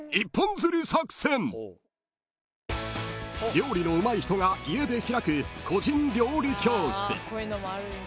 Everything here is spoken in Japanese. ［料理のうまい人が家で開く個人料理教室］